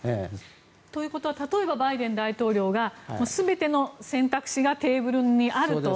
ということは例えばバイデン大統領は全ての選択肢がテーブルにあると。